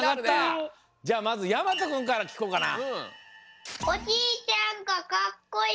じゃあまずやまとくんからきこうかな。